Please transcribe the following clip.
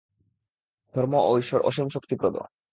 ধর্ম ও ঈশ্বর অসীম শক্তিপ্রদ।